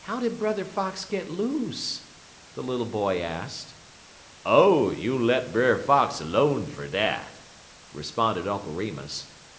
"How did Brother Fox get loose?" the little boy asked. "Oh, you let Brer Fox 'lone fer dat," responded Uncle Remus.